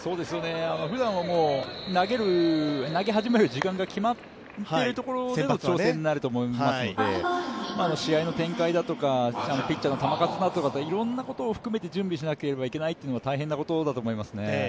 ふだんは投げ始める時間が決まっているところでの調整になると思いますので試合の展開だとか、ピッチャーの球数だとか、いろんなことを含めて準備しなければいけないというのは大変なことだと思いますね。